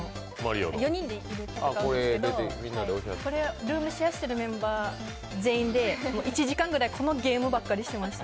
４人で戦うんですけど、これはルームシェアしているメンバー全員で１時間くらいこのゲームばっかりしてました。